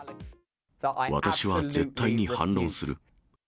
私は絶対に反論する。